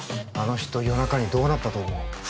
あの人夜中にどうなったと思う？